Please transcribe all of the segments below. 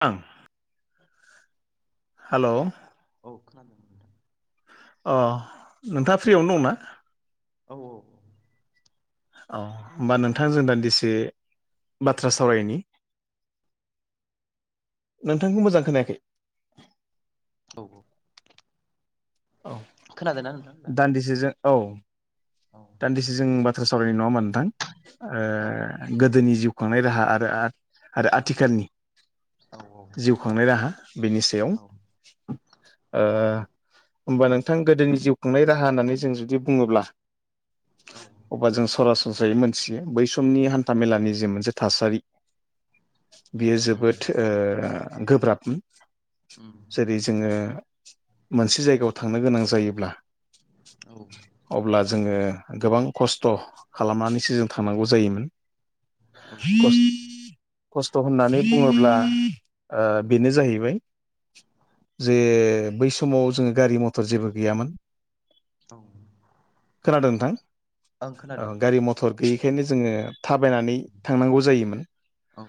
[unintelligible] Hello औ खोनादों नोंथां? अ नोंथाङा फ्रियावनो दं ना? औ औ औ होमबा नोंथां जों दान्दिसे बाथ्रा सावरायनि नोंथांखौ मोजां खोनायाखै। औ औ औ खोनादोंना नोंथां दा दान्दिसे जों औ औ दान्दिसे जों बाथ्रा सावरायनाय नङा ओमबा नोंथां औ ओ गोदोनि जिउ खांनाय राहा आरो आ आरो आथिखालनि औ जिउ खांनाय राहा बेनि सायाव औ ओ होमबा नोंथां गोदोनि जिउ खुंनाय राहा होननानै जों जुदि बुङोब्ला औ अब्ला जों सरासनस्रायै मोनथियो बै समनि हान्था मेलानि जे मोनसे थासारि बियो उम जोबोद ओ गोब्राबमोन। उम जेरै जोङो मोनसे जायगायाव थांनो गोनां जायोब्ला औ अब्ला जोङो गोबां खस्थ खालामनानैसो जों थांनांगौ जायोमोन। औ [unintelligible] खस्थ होननानै बुङोब्ला ओ बेनो जाहैबाय। जे बै समाव जोङो गारि मथर जेबो गैयामोन। खोनादों [unintelligible] आं खोनादों गारि मथर गैयैखायनो जोङो थाबायनानै थांनांगौ जायोमोन। औ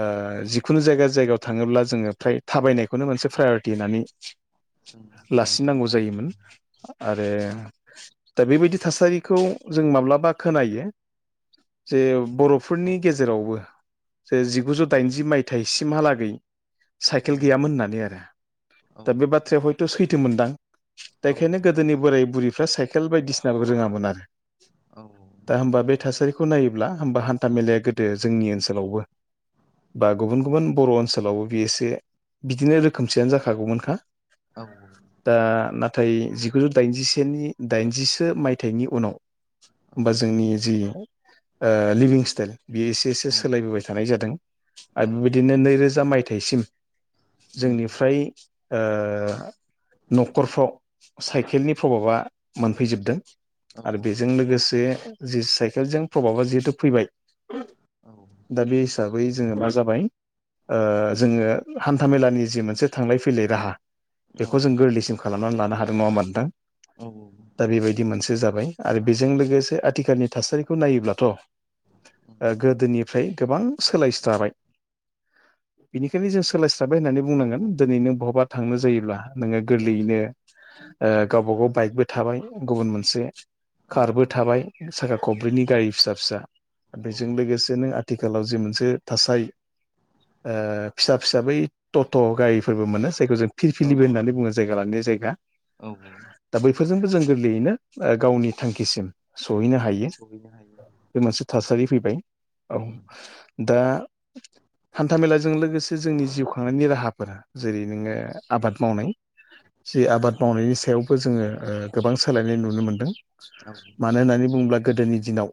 आ जिखुनु जायगा जायगायाव थाङोब्ला जोङो फ्राय थाबायनायखौनो मोनसे प्रायरिटि होननानै जों नुनो लासिननांगौ मोनो आरो जायोमोन आरो दा बेबायदि थासारिखौ जों माब्लाबा खोनायो जे बरफोरनि ओं गेजेरावबो जे जिगुजौ औ उम दाइनजि मायथाइसिम हालागै साइकेल गैयामोन होननानै आरो औ दा बे बाथ्राया हय सैथो मोनदां दा औ एखायनो गोदोनि बोराय बुरैफ्रा साइकेल बायदिसिनाबो रोङामोन आरो औ दा होमबा बे थासारिखौ नायोब्ला होमबा हान्था मेलाया गोदो जोंनि ओनसोलावबो बा गुबुन गुबुन बर' ओनसोलावबो बे एसे बिदिनो रोखोमसेयानो जाखागौमोनखा औ दा नाथाय जिगुजौ दाइनजिसेनि दाइनजिसो मायथाइनि उनाव औ औ बा जोंनि जि ओ लिभिं स्टाइल बेयो एसे जसो सोलायबोबाय थानाय जादों आरो बेबायदिनो नैरोजा मायथाइसिम उम जोंनिफ्राय ओ न'खरफ्राव साइकेलनि प्रभाबा फैजोबदों औ आरो बेजों लोगोसे जि साइकेलजों प्रभाबा जिहेथु फैबाय। औ दा बे हिसाबै जोङो मा जाबाय ओ जोङो हान्थामेलानि जि मोनसे थांलाय फैलाय राहा बेखौ जों गोरलैसिम खालामनानै लानो हादों नङा नोंथां औ औ दा बेबायदि मोनसे जाबाय आरो बेजों लोगोसे आथिखालनि थासारिखौ नायोब्लाथ' ओ गोदोनिफ्राय गोबां सोलायस्राबाय बेनिखायनो जों सोलाय हाबबाय होननानै औ बुंनांगोन दिनै नों बहबा थांनो जायोब्ला नोङो गोरलैयैनो ओ गावबा गाव बाइकबो थाबाय गुबुन मोनसे कारबो थाबाय साखा खब्रैनि गारि फिसा फिसा बेजों लोगोसे नो आथिखालाव जे मोनसे थासारि ओ फिसा फिससा बै टट' गारिफोरबो मोनो जायखौ जों फिरफिलिबो होननानै बुङो जायगा लानाय जायगा औ औ बेफोरजोंबो जों गोरलैयैनो गावनि थांखिसिम सहैनो हायो सहैनो हायो बे मोनसे थासारि फैबाय औ उम दा हान्था मेलाजों लोगोसे जोंनि जिउ खांनायनि राहाफोरा जेरै औ नोङो आबाद मावनाय जि आबाद मावनायनि सायावबो जोङो ओ गोबां सोलायनाय नुनो मोनदों औ मानो होननानै बुङोब्ला गोदोनि दिनाव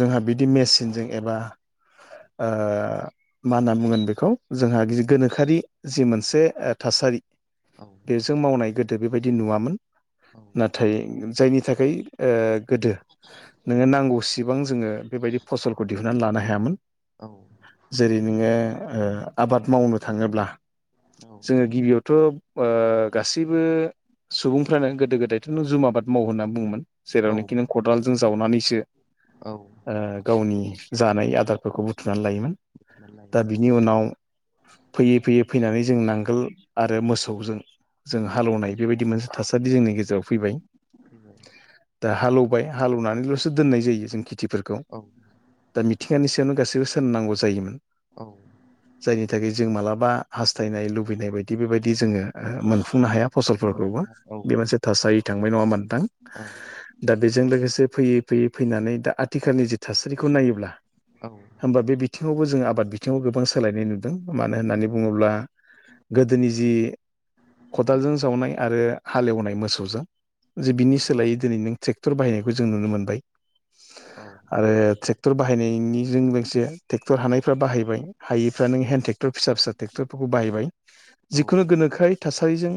जोंहा बिदि मेचनजों एबा ओ मा होनना बुंगोन बेखौ औ जोंहा गोनोखो जि मोनसे ओ थासारि औ बेजों मावनाय गोदो बेबायदि नुवामोन औ नाथाय जायनि थाखाय ओ गोदो नोङो नांगौसिबां जोङो बेबायदि फसलखौ दिहुननानै लानो हायामोन औ जेरै नोङो ओ आबाद मावनो थाङोब्ला औ जोङो गिबियावथ' ओ गासैबो सुबुंफ्रानो गोदो गोदायथ' जुम आबाद मावो होनना बुङोमोन औ जेरावनोखि नों खदालजों जावनानैसो औ ओ गावनि जानाय आदारफोरखौ बुथुमनानै लायोमोन बुथुमनानै लायो दा बि बिनि उनाव फैयै फैयै फैनानै जों नांगोल आरो मोसौजों जों हालौवनाय बेबायदि मोनसे थासारि जोंनि गेजेराव फैबाय फैबाय दा हालेवबाय हालेवनानैल'सो दोननाय जायो जों खेथि फोरखौ औ दा मिथिंगानि सायावनो गासैबो सोलनांगौ जायो औ जायनि थाखाय जों मालाबा हास्थायनाय लुबैनाय बायदि बेबायदि जोङो ओ मोनफुंनो हाया फसलफोरखौबो औ बे मोनसे थासारि थांबाय नङा नोंथां औ दा बेजों लोगोसे फैयै फैयै फैनानै दा आथिखालनि जि थासारिखौ नायोब्ला औ होमबा बे बिथिङावबो जोंङ आबाद बिथिङाव गोबां सोलायनाय नु मानो होननानै बुङोब्ला गोदोनि जि खदालजों सावनाय आरो हालेवनाय मोसौजों जे बिनि सोलायै दिनै नों ट्रेक्टर बाहायनायखौ जों नुनो मोनबाय औ आरो ट्रेक्टर बाहायनायनिजों लोगोसे ट्रेक्टर हानायफ्रा बाहायबाय हायैफ्रा नों हेन्द टेक्टर फिसा फिसा ट्रेक्टरफोरखौ बाहायबाय जिखुनु गोनोखाय थासारिजों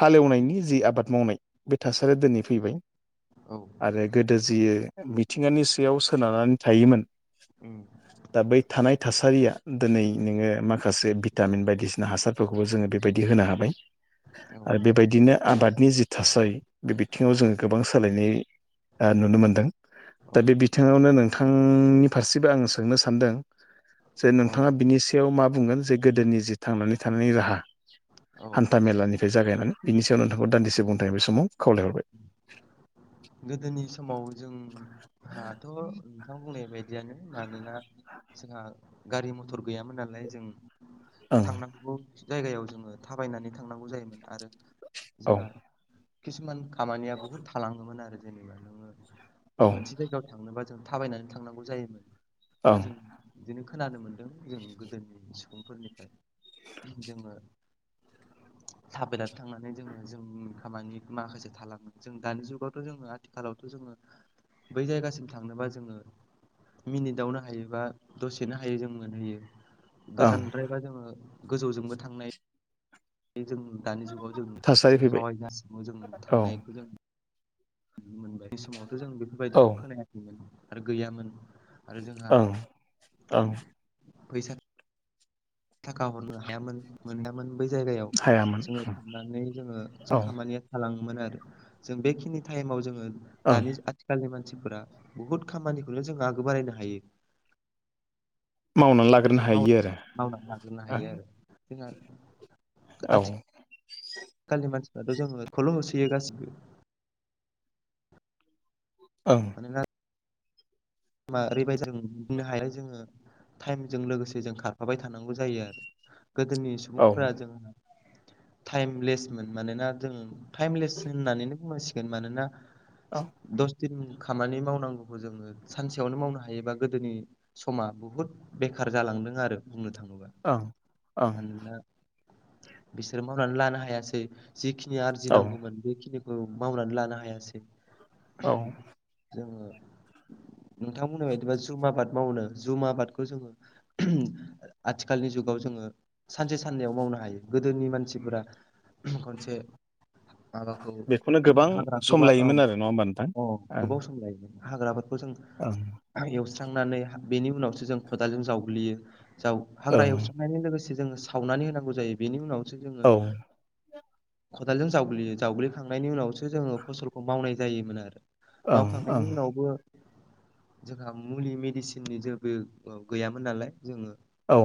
हालेवनायनि जि आबाद मावनाय बे थासारिया दिनै फैबाय आरो गोदो जियो मिथिंगानि सायाव सोनारनानै थायोमोन उ दा बै थानाय थासारि दिनै नोङो माखासे भिटामिन बायदिसिना हासारफोरखौबो जोङो बेबायदि होनो हाबाय आरो बेबायदिनो आबाद नि जि थासारि बे बिथिङाव जोङो गोबां सोलायनाय ओ नुनो मोनदों दा बे बिथिङावनो नोंथांनि फारसेबो आं सोंनो सानदों जे नोंथाङा बिनि सायाव मा बुंगोन जे गोदोनि जिे थांनानै थानायनि राहा हान्था मेलानिफ्राय जागायनानै बिनि सायाव नोंथांखौ दान्दिसे बुंथाय बे समाव खावलायहरबाय गोदोनि समाव जोंहाथ' नोंथां बुंनाय बायदियानो मानोना जोंहा गारि मथर गैयामोन नालाय जों ओं थांनांगौ जायगायाव जोङो थाबायनानै थांनांगौ जायोमोन आरो औ जोंहा खिसुमान खामानिया बुहुद थालाङोमोन आरो जेनेबा नोङो मोनसे जायगायाव थांनोबा जों थाबायनानै थांनांगौ जायोमोन औ ओं जों बिदिनो खोनानो मोनदों जों गोदोनि सुबुंफोरनिफ्राय जोङो थाबदाथ थांनानै जोङो जों खामानि माखासे थाालङो जों दानि जुगाव जोङो आथिखालावथ' जोङो बै जायगासिम थांनोबा जोङो मिनिटावनो हायोबा दसेनो हायो जों मोनहैयो ओं गोजानद्रायबा जोङो गोजौजोंबो थांनाय जों दानि जुगाव जों थासारि जों फैबाय हावाय जासिङाव जों औ थांनायखौ जों मोनबाय समावथ' जों औ बेफोरबायदिखौ खोनायाखैमोन आरो गैयामोन आरो जोंहा ओं ओं फैसा थाखा हरनो हायामोन मोनदामोन बै जायगायाव हायामोन जोङो थांनानै जोङो औ जि खामानिया थाङोमोन आरो जों बेखिनि टाइमाव जोङो ओं दानि आथिखाल आथिखालनि मानसिफोरा बहुद खामानिखौनो जों आगो बारायनो हायो मावनानै आरो लाग्रोनो जों हायो आरो मावनानै लाग्रोनो हायो आरो जोंहा औ खालि मानसिफ्राथ' जोङो खौल' होसोयो गासिबो औ मान मा ओरैबायदि जों गनो हायालाय जोङो टाइमजों लोगोसे जों खारफाबाय थानांगौ जायो आरो गोदोनि ओं सुबुंफोरा जोंहा [inaudible] टाइमलेसमोन मानोना जों टाइमलेस होननानैनो बुंनांसिगोन मानोना औ दस दिन खामानि मावनांगौखौ जोङो सानसेयावनो मावनो हायोबा गोदोनि समा बुहुद बेखार जालांदों आरो बुंनो थाङोब्ला ओं ओं मानोना बिसोर मावनानै लानो हायासै जिखिनि आरजि औ नांगौमोन बेखिनिखौ मावनानै लानो हायासै औ जोङो नोंथांमोननि बायदिबा जुम आबाद मावनो जुम आबादखौ जोङो आथिखालनि जुगाव जोङो सानसे साननैयाव मावनो हायो गोदोनि मानसिफोरा खनसे माबाखौ बेखौनो गोबां सम हाग्राखौबा औ लायोमोन आरो नङा होमबा नोंथां औ गोबाव सम लायोमोन हाग्राफोरखौ जों औ एवस्रांनानै बेनि उनावसो जों खदालाजों जावग्लियो जाव हाग्रा ओं एवस्रांनायनि लोगोसे जोङो सावनानै होनांगौ जायो बेनि उनावसो औ जोङो खदालजों जावग्लियो जावग्लिखांनायनि उनावसो जोङो फसलखौ मावनाय जायोमोन आरो ओं ओं मावखांनायनि उनावबो जोंहा मुलि मेडिसिननि जेबो गैयामोन नालाय जोङो औ।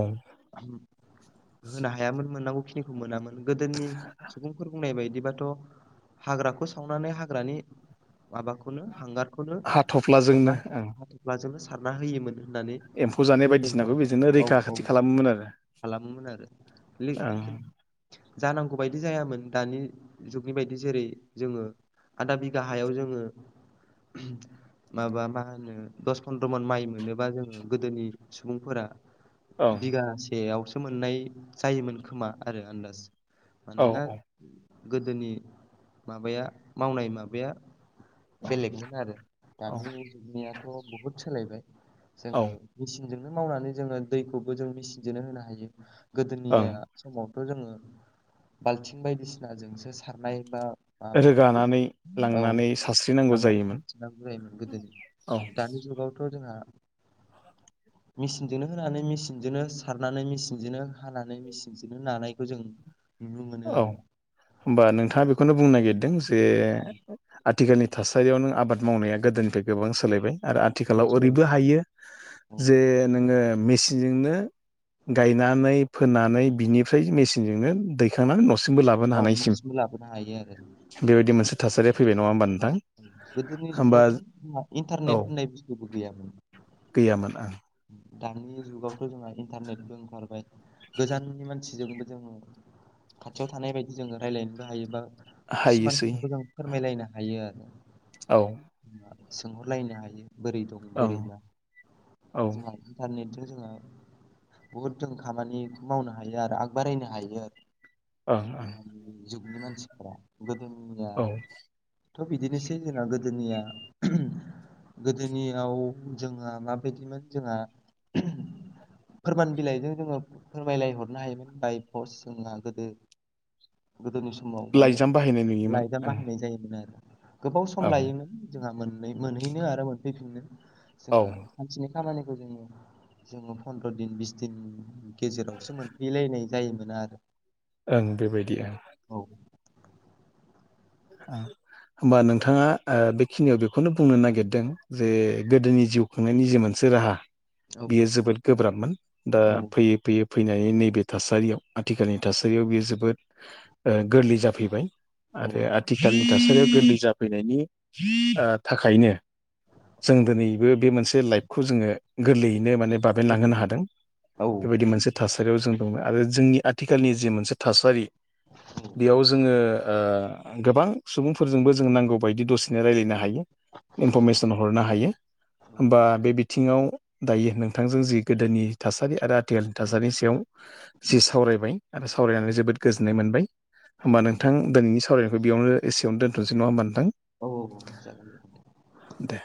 होनो हायामोन मोननांगौखिनिखौ मोनामोन। गोदोनि सुबुंफोर बुंनाय बायदिबाथ' हाग्राखौ सावनानै हाग्रानि माबाखौनो हांगारखौनो सारना हाथ'फ्लाजोंनो ओं हाथ'फ्लाजोंनो सारना होयोमोन होननानै एम्फौ जानाय बुंदों बायदिसिनाखौ आरो बेजोंनो औ रैखा औ खाथि खालामोमोन आरो। खालामोमोन आरोि। जानांगौ बायदि जायामोन दानि जुगनि बायदि जेरै जोङो। आधा बिगा हायाव जोङो। माबा मा होनो दस फन्द्र मन माइ मोनोबा जोङो गोदोनि सुबुंफोरा। ओं बिगासेयावसो मोननाय जायोमोन खोमा आरो आन्दाज ओं मानोना औ गोदोनि माबाया मावनाय माबाया औ बेलेगमोन आरो औ दानि जुगनियाथ' बहुद सोलायबाय औ जोङो मेचिनजोंनो मावनानै जोङो दैखौबो जों मेचिनजोंनो होनो हायो। गोदोनि ओं समावथ' जोङो बालथिं बायदिसिनाजोंसो सारनाय बा माबाखौ रोगानानै औ लांनानै सारस्रिनांगौ लांनानै जायोमोन सार नांगौ जायोमोन गोदोनि औ दानि जुगावथ' जोंहा [inaudible] मेसिनजोंनो होनानै, मेसिनजोंनो सारनानै, मेचिनजोंनो हानानै, मेचिनजोंनो नानायखौ जों नुनो मोनो औ आरो। होमबा नोंथाङा बेखौनो बुंनो नागिरदों जे औ आथिखालनि थासारियाव नों आबाद मावनाया गोदोनिफ्राय गोबां सोलायबाय। आरो गोबां आथिखालाव ओरैबो सोलायबाय हायो औ जे नोङो मेसिन मेचनजोंनो गायनानै फोनानै बिनिफ्राय मेसिनजोंनो दै खांनानै न'सिमबो लाबोनो औ हानायसिम न'सिमबो लाबोनो हायो आरो बेबायदि मोनसे थासारिया फैबाय नङा होमबा नोंथां? गोदोनि होमबा जुगावथ' जोंहा औ। इन्टारनेट होननाय बुस्थुबो गैयामोन गैयामोन आ। दानि जुगावथ' जोंहा इन्टारनेटबो ओंखारबाय। गोजाननि मानसिजोंबो जों खाथियाव थानाय बायदि जों रायज्लायनोबो हायो बा खिसुमान हायोसै खोथाखौ जों फोरमायलायनो हायो आरो। औ। आ सोंहरलायनो हायो बोरै दं ओं बोरै ना औ आरो ओं जोंहा इन्टारनेटजों जोङो बुहुद जों खामानिखौ मावनो हायो आरो आगबारायनो हायो आरो। ओं ओं। जुगनि मानसिफ्रा गोदोनिया औ थ' बिदिनोसै जोंना गोदोनिया गोदोनियाव जोंहा माबायदिमोन जोंहा फोरमान बिलाइजों जोङो फोरमायलाय हरनो हायोमोन बाय पस जोंना गोदो गोदोनि समाव माने लाइजाम बाहायनाय नुयोमोन लाइजामा ओं जायोमोन आरो गोबाव सम औ लायोमोन जोंहा मोन-मोनहैनो आरो मोनफैफिननो। औ जोंहा सानसेनि खामानिखौ जोङो जोङो फन्द्र' दिन बिस दिन गेजेरावसो मोनफैलायनाय जायोमोन आरो। ओं बेबायदि ओं। औ। होमबा नोंथाङा ओ बेखिनियाव बेखौनो बुंनो नागिर दों जे गोदोनि जिउ खुंनायनि जे मोनसे राहा औ बियो जोबोद गोब्राबमोन। दा औ फैयै फैयै फैनानै नैबे थासारियाव आथिखालनि थासारियाव बेयो जोबोद ओ गोरलै जाफैबाय। औ आरोे [inaudible] थासारियाव गोरलै जाफैनायनि ओ थाखायनो जों औ दोनै बो बे मोनसे लाइफखौ जोङो गोरलैयैनो माने गोरलै बाबेनलांहोनो हादों। औ बेबायदि मोनसे थासारियाव जों दङो। आरो जोंनि आथिखालनि जि मोनसे थासारि बेयाव जोङो ओ गोबां सुबुंफोरजोंबो जों नांगौबायायदि दसेनो रायज्लायनो हायो इनफरमेसन हरनो हायो। होमबा बे बिथिङाव दायो नोंथांजों जि गोदोनि थासारि आरो आथिखालनि थासारिनि सायाव जि सावरायबाय आरो औ सावरायनानै जोबोद गोजोननाय मोनबाय। होमबा नोंथां दिनैनि सावरायनायखौ बेयावनो एसेयाव दोनथ'सै नङा होनब नोंथां? औ जागोन दे। दे।